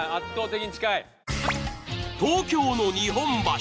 東京の日本橋。